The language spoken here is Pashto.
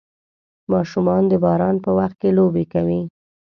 ماشومان د باران په وخت کې لوبې کوي.